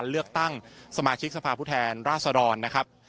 บ๊วยบ๊วยซึ่งคุณธนทรก็จะใช้สิทธิ์ในคู่หารนี้นะครับ